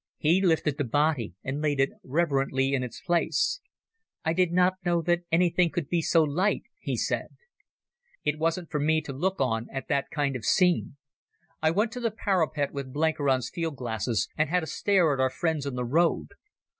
He lifted the body and laid it reverently in its place. "I did not know that anything could be so light," he said. It wasn't for me to look on at that kind of scene. I went to the parapet with Blenkiron's field glasses and had a stare at our friends on the road.